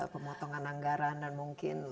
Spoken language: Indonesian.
pemotongan anggaran dan mungkin